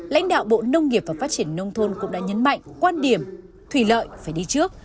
lãnh đạo bộ nông nghiệp và phát triển nông thôn cũng đã nhấn mạnh quan điểm thủy lợi phải đi trước